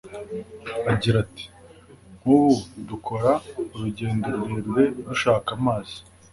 Agira ati “ Nk’ubu dukora urugendo rurerure dushaka amazi